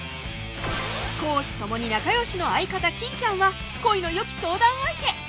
公私共に仲よしの相方・金ちゃんは恋のよき相談相手